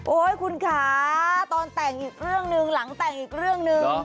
คุณคะตอนแต่งอีกเรื่องหนึ่งหลังแต่งอีกเรื่องหนึ่ง